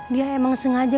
dia emang sengaja